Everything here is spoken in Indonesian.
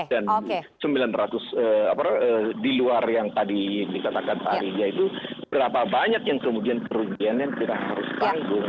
dan sembilan ratus di luar yang tadi dikatakan pak rija itu berapa banyak yang kemudian perubian yang kita harus tanggung